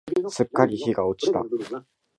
すっかり日が落ちた。